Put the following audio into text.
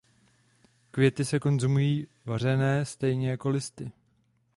Květy se konzumují vařené stejně jako listy.